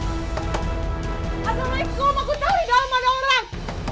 assalamualaikum aku tahu di dalam ada orang